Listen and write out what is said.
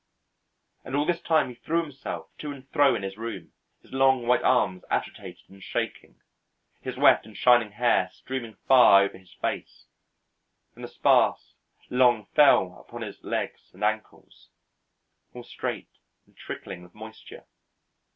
And all this time he threw himself to and fro in his room, his long white arms agitated and shaking, his wet and shining hair streaming far over his face, and the sparse long fell upon his legs and ankles, all straight and trickling with moisture.